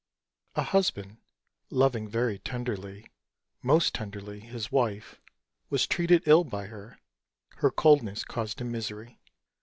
A Husband, loving very tenderly Most tenderly his wife, was treated ill By her; her coldness caused him misery.